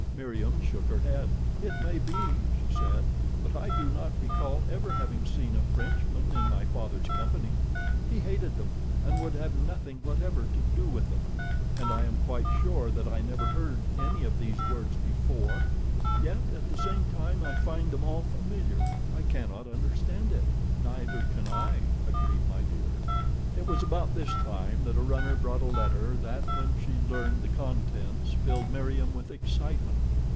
Meriem shook her head. "It may be," she said, "but I do not recall ever having seen a Frenchman in my father's company—he hated them and would have nothing whatever to do with them, and I am quite sure that I never heard any of these words before, yet at the same time I find them all familiar. I cannot understand it." "Neither can I," agreed My Dear. It was about this time that a runner brought a letter that, when she learned the contents, filled Meriem with excitement.